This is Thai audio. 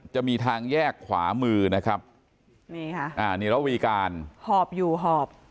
จะมีทางแยกขวามือนะครับนี่ค่ะอ่านี่ระวีการหอบอยู่หอบ